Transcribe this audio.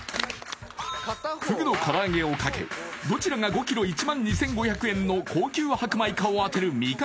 フグの唐揚げをかけどちらが５ｋｇ１２５００円の高級白米かを当てる味覚